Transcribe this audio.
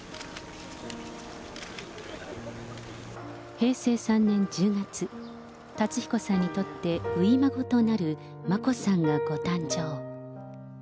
平成３年１０月、辰彦さんにとって初孫となる眞子さんがご誕生。